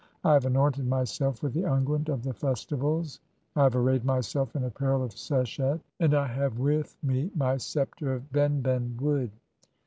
I have anointed myself with the unguent of the festiv als, (8) I have arrayed myself in apparel of seshet, and I have "with me my sceptre of benben wood."